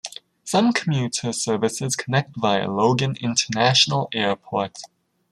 Some commuter services connect via Logan International Airport.